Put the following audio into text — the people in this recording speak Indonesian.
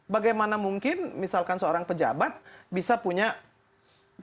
bagaimana mungkin misalkan seorang pejabat bisa punya kepentingan